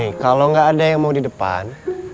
nih kalau nggak ada yang mau di depan